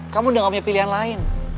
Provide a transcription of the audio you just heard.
kamu udah gak punya pilihan lain